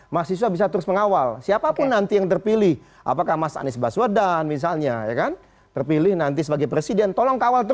mahasiswa bisa terus mengawal siapapun nanti yang terpilih apakah mas anies baswedan misalnya ya kan